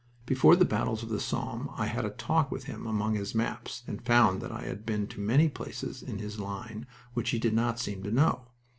Before the battles of the Somme I had a talk with him among his maps, and found that I had been to many places in his line which he did not seem to know.